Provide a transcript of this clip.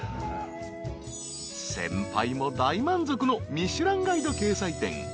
［先輩も大満足の『ミシュランガイド』掲載店］